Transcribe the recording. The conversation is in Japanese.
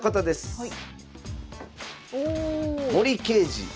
はい。